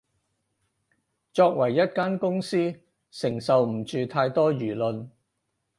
作為一間公司，承受唔住太多輿論